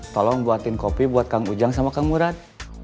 tolong buatin kopi buat kang ujang sama kang murad